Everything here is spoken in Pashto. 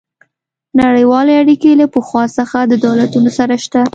نړیوالې اړیکې له پخوا څخه د دولتونو سره شته